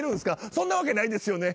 そんなわけないですよね？